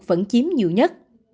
vẫn chiếm nhiều nhất